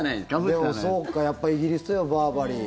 でも、そうか、やっぱりイギリスと言えばバーバリー。